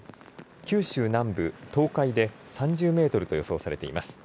九州南部、東海で３０メートルと予想されています。